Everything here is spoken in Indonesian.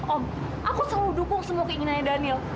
om aku selalu dukung semua keinginannya daniel